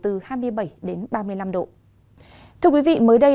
thưa quý vị mới đây đà lạt đã đặt một bản thân cho các quý vị